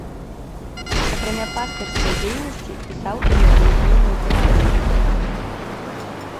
Акрамя пастырскай дзейнасці, пісаў і на рэлігійную тэматыку.